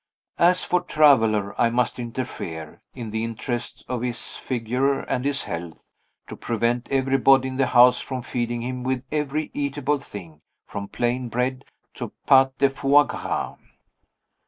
As for Traveler, I must interfere (in the interests of his figure and his health) to prevent everybody in the house from feeding him with every eatable thing, from plain bread to _pate de foie gras.